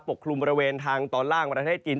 กลุ่มบริเวณทางตอนล่างประเทศจีน